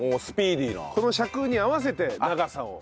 この尺に合わせて長さを。